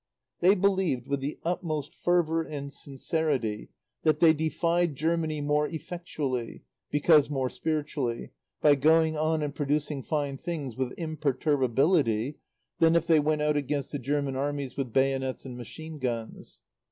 They believed with the utmost fervour and sincerity that they defied Germany more effectually, because more spiritually, by going on and producing fine things with imperturbability than if they went out against the German Armies with bayonets and machine guns.